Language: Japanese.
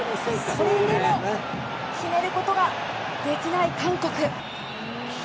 それでも決めることができない韓国。